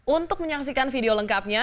untuk menyaksikan video ini